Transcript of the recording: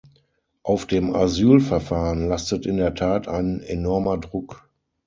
Auf dem Asylverfahren lastet in der Tat ein enormer Druck.